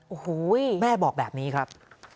โอ้โหแม่บอกแบบนี้ครับ